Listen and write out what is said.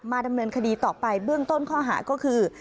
ดำเนินคดีต่อไปเบื้องต้นข้อหาก็คือ